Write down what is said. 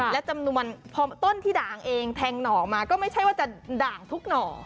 และจำนวนพอต้นที่ด่างเองแทงหน่อมาก็ไม่ใช่ว่าจะด่างทุกหน่อ